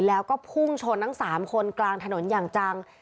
แล้วก็พุ่งชนทั้ง๓คนกลางถนนอย่างจัง